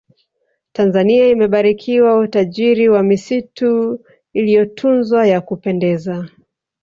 tanzania imebarikiwa utajiri wa misitu iliyotunzwa ya kupendeza